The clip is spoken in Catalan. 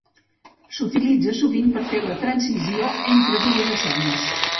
S'utilitza sovint per fer la transició entre dues escenes.